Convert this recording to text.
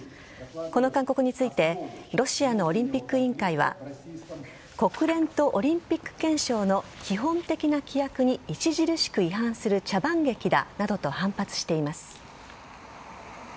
この勧告についてロシアのオリンピック委員会は国連とオリンピック憲章の基本的な規約に著しく違反する茶番劇だなどと反発しています。